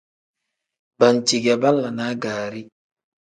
Banci ge banlanaa gaari.